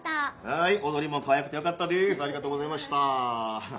はい踊りもかわいくてよかったです。